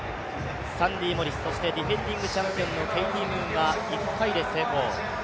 サンディ・モリス、ディフェンディングチャンピオンのケイティ・ムーンは１回で成功。